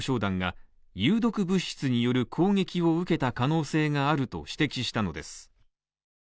団が有毒物質による攻撃を受けた可能性があると指摘したのです。